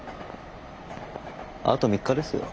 あと３日ですよ。